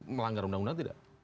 melanggar undang undang tidak